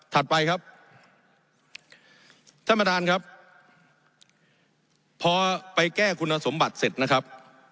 ไปครับท่านประธานครับพอไปแก้คุณสมบัติเสร็จนะครับ